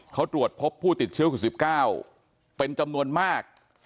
เขาตรวจพบผู้ติดเชื้อคุณ๑๙เป็นจำนวนมาก